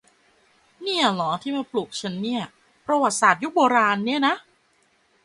นี่อ่ะหรอที่มาปลุกฉันเนี่ย ประวัติศาสตร์ยุคโบราณเนี่ยนะ